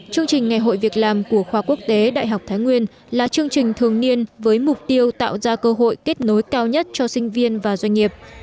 chương trình ngày hội việc làm của khoa quốc tế đại học thái nguyên là chương trình thường niên với mục tiêu tạo ra cơ hội kết nối cao nhất cho sinh viên và doanh nghiệp